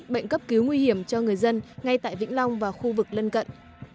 bệnh cấp cứu nguy hiểm cho người dân ngay tại vĩnh long và khu vực lân cận